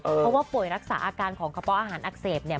เพราะว่าป่วยรักษาอาการของกระเพาะอาหารอักเสบเนี่ย